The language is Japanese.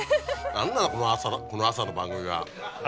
何なのこの朝の番組は。